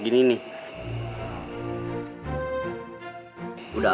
jadi ini tuh